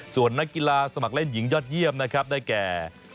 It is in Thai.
ส่วนนักกีฬาสมัครเล่นหญิงยอดเยี่ยมนะครับได้แก่